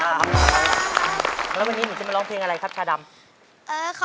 แล้ววันนี้หนูจะมาร้องเพลงอะไรครับชาดำ